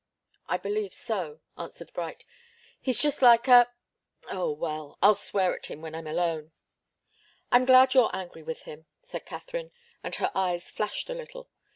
"I believe so," answered Bright. "He's just like a oh, well! I'll swear at him when I'm alone." "I'm glad you're angry with him," said Katharine, and her eyes flashed a little.